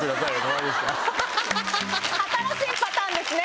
新しいパターンですね！